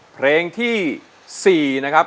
เพลงที่๔นะครับ